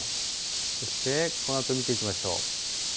そしてこのあとを見ていきましょう。